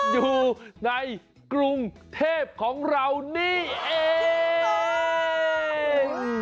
อยู่ในกรุงเทพของเรานี่เอง